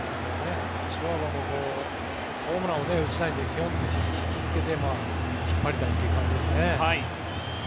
シュワバーもホームランを打ちたいので引きつけて引っ張りたいという感じですね。